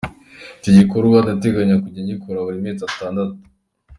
Iki gikorwa ndateganya kujya ngikora buri mezi atandatu.